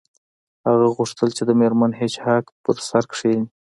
هغه غوښتل چې د میرمن هیج هاګ په سر کښینی